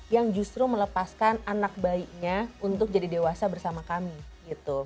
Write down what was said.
yang justru melepaskan anak bayinya untuk jadi dewasa bersama kami gitu